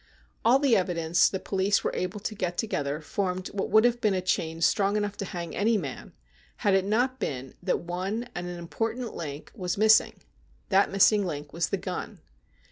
All the evidence the police were able to get together formed what would have been a chain strong enough to hang any man, had it not been that one and an important link was missing — that missing link was the gun.